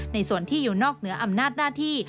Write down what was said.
ในส่วนที่อยู่นอกเหนืออำนาจหน้าที่